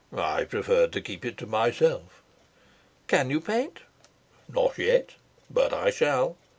"I preferred to keep it to myself." "Can you paint?" "Not yet. But I shall.